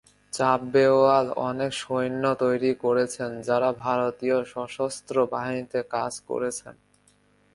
চাব্বেওয়াল অনেক সৈন্য তৈরি করেছেন যারা ভারতীয় সশস্ত্র বাহিনীতে কাজ করেছেন।